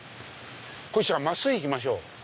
こひちゃん真っすぐ行きましょ。